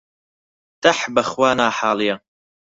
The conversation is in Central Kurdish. تەح، بەخوا ناحاڵییە